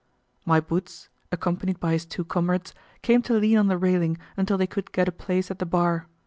My Boots, accompanied by his two comrades, came to lean on the railing until they could get a place at the bar.